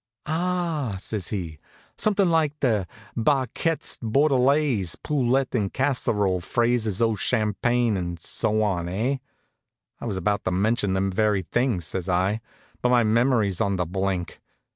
"Ah!" says he, "something like Barquettes Bordellaise, poulet en casserole, fraises au champagne, and so on, eh?" "I was about to mention them very things," says I. "But my memory's on the blink.